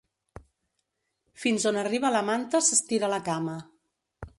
Fins on arriba la manta s'estira la cama.